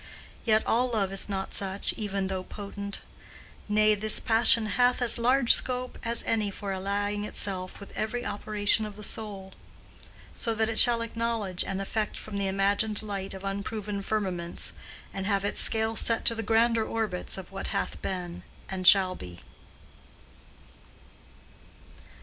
Yet all love is not such, even though potent; nay, this passion hath as large scope as any for allying itself with every operation of the soul: so that it shall acknowledge an effect from the imagined light of unproven firmaments, and have its scale set to the grander orbits of what hath been and shall be.